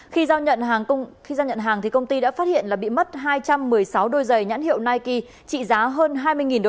khi giao nhận hàng công ty đã phát hiện bị mất hai trăm một mươi sáu đôi giày nhãn hiệu nike trị giá hơn hai mươi usd